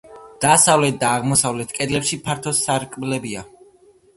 დასავლეთ და აღმოსავლეთ კედლებში ფართო სარკმლებია.